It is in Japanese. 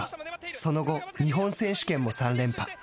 その後、日本選手権も３連覇。